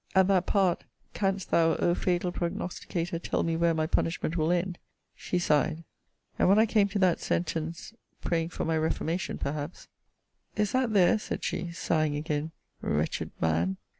At that part, Canst thou, O fatal prognosticator! tell me where my punishment will end? she sighed. And when I came to that sentence, praying for my reformation, perhaps Is that there? said she, sighing again. Wretched man!